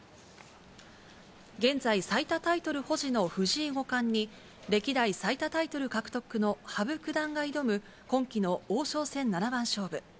現在、最多タイトル保持の藤井五冠に、歴代最多タイトル獲得の羽生九段が挑む、今期の王将戦七番勝負。